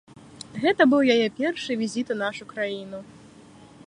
Гэта быў яе першы візіт у нашу краіну.